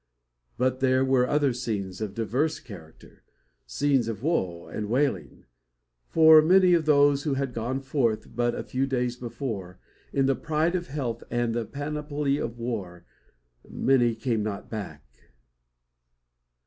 But there were other scenes of a diverse character, scenes of woe and wailing; for of many of those who had gone forth, but a few days before, in the pride of health and the panoply of war, many came not back.